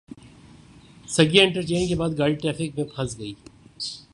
Saggian interchange کے بعد گاڑی ٹریفک میں پھنس گئی۔